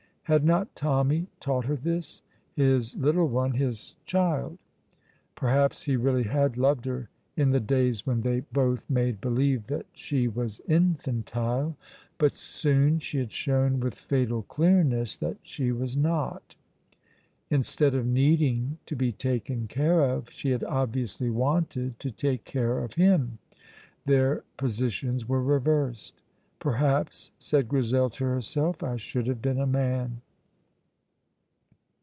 Had not Tommy taught her this? His little one, his child! Perhaps he really had loved her in the days when they both made believe that she was infantile; but soon she had shown with fatal clearness that she was not. Instead of needing to be taken care of, she had obviously wanted to take care of him: their positions were reversed. Perhaps, said Grizel to herself, I should have been a man.